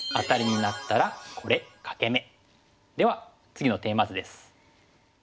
では次のテーマ図です。